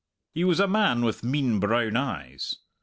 He was a man with mean brown eyes.